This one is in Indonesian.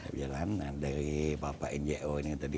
berjalan dari bapak ngo ini